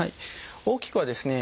大きくはですね